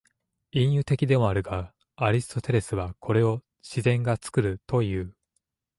隠喩的でもあるが、アリストテレスはこれを「自然が作る」という。